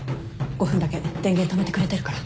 ５分だけ電源止めてくれてるから。